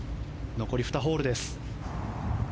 残り２ホールです。